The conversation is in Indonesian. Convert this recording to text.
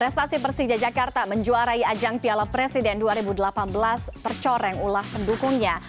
prestasi persija jakarta menjuarai ajang piala presiden dua ribu delapan belas tercoreng ulah pendukungnya